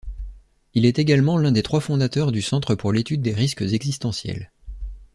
Il est également l'un des trois fondateurs du Centre pour l'étude des risques existentiels.